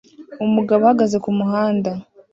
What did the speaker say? Umugabo ahagaze kumuhanda